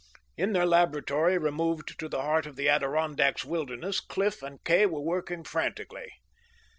In their laboratory, removed to the heart of the Adirondacks wilderness, Cliff and Kay were working frantically.